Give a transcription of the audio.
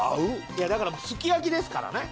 いやだからすき焼きですからね。